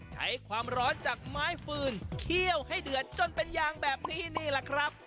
ใช้ความร้อนจากไม้ฟืนเคี่ยวให้เดือดจนเป็นยางแบบนี้นี่แหละครับ